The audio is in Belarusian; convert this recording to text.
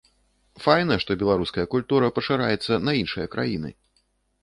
Файна, што беларуская культура пашыраецца на іншыя краіны.